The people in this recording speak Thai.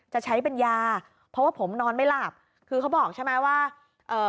จะใช้เป็นยาเพราะว่าผมนอนไม่หลับคือเขาบอกใช่ไหมว่าเอ่อ